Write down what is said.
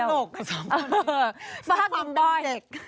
คือตลกสำหรับน้ำเด็ก